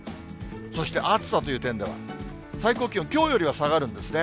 そして暑さという点では、最高気温、きょうよりは下がるんですね。